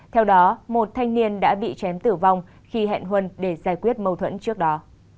theo đó một thanh niên đã bị chém tử vong khi hẹn huân để giải quyết mâu thuẫn trước đó